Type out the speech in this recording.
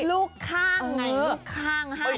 ลูกค้างเหมือนลูกค้าง๕สีไหม